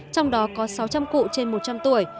trong đó có sáu trăm linh cụ trên một trăm linh tuổi